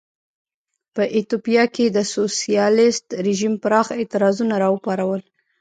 په ایتوپیا کې د سوسیالېست رژیم پراخ اعتراضونه را وپارول.